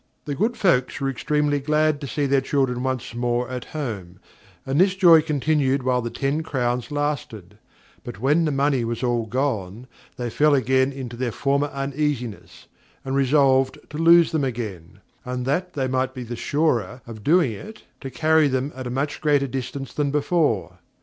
The good folks were extremely glad to see their children once more at home, and this joy continued while the ten crowns lasted; but when the money was all gone, they fell again into their former uneasiness, and resolved to lose them again; and, that they might be the surer of doing it, to carry them at a much greater distance than before.